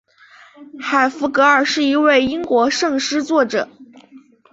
海弗格尔是一位英国圣诗作者。